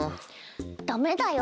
ダメだよ。